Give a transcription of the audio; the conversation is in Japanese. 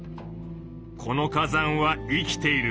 この火山は生きている。